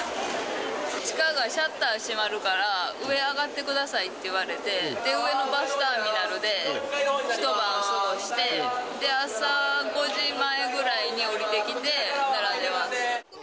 地下がシャッター閉まるから、上、上がってくださいって言われて、上のバスターミナルで、一晩過ごして、朝５時前ぐらいに下りてきて、並んでます。